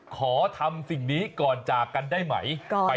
ขอทำสิ่งนี้ก่อนจากกันได้ไหม